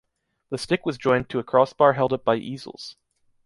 The stick was joined to a crossbar held up by easels.